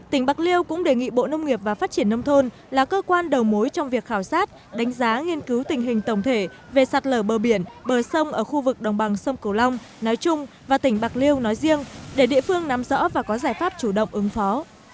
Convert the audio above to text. tỉnh bạc liêu cũng đề nghị bộ nông nghiệp và phát triển nông thôn là cơ quan đầu mối trong việc khảo sát đánh giá nghiên cứu tình hình tổng thể về sạt lở bờ biển bờ sông ở khu vực đồng bằng sông cửu long nói chung và tỉnh bạc liêu nói riêng để địa phương nắm rõ và có giải pháp chủ động ứng phó